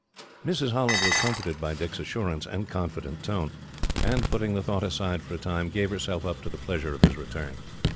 Mrs. Holland was comforted by Dick's assurance and confident tone, and, putting the thought aside for a time, gave herself up to the pleasure of his return.